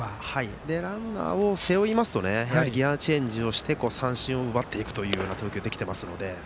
ランナーを背負いますとギヤチェンジをして三振を奪っていくという投球ができているので。